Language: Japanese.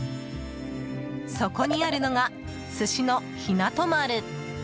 そこにあるのが寿司の、ひなと丸。